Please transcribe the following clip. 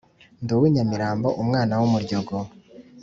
nd’uwi nyamirambo umwana w’umuryogo